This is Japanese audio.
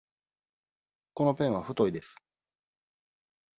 このペンは太いです。